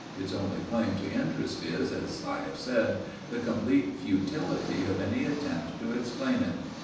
Its only claim to interest is, as I have said, the complete futility of any attempt to explain it."